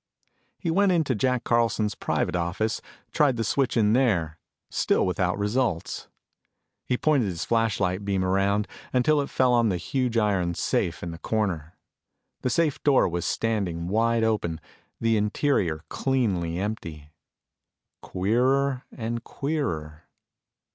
He went into Jack Carlsons private office, tried the switch in there, still without results. He pointed his flashlight beam around until it fell on the huge iron safe in the corner. The safe door was standing wide open, the interior cleanly empty. Queerer and queerer.